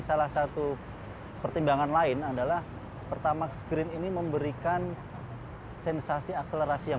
salah satu pertimbangan lain adalah pertamax green ini memberikan sensasi akselerasi yang